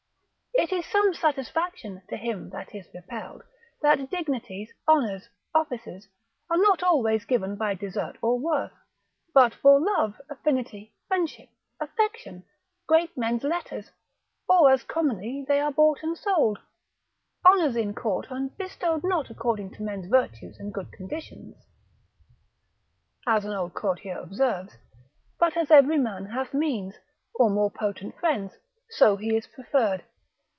It is some satisfaction to him that is repelled, that dignities, honours, offices, are not always given by desert or worth, but for love, affinity, friendship, affection, great men's letters, or as commonly they are bought and sold. Honours in court are bestowed not according to men's virtues and good conditions (as an old courtier observes), but as every man hath means, or more potent friends, so he is preferred.